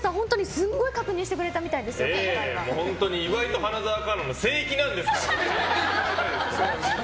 すごい確認してくれた本当に岩井と花澤香菜の聖域なんですから。